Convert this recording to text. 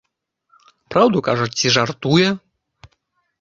Праўду кажа ці жартуе?